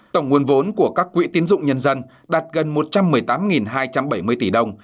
tổng nguồn vốn của các quỹ tiến dụng nhân dân đạt gần một trăm một mươi tám hai trăm bảy mươi tỷ đồng